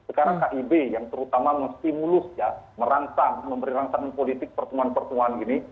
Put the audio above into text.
sekarang kib yang terutama menstimulus ya merangsang memberi rangsangan politik pertemuan pertemuan ini